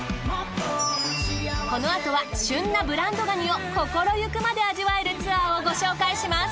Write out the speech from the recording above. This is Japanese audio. このあとは旬なブランドガニを心ゆくまで味わえるツアーをご紹介します。